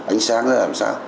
ánh sáng ra làm sao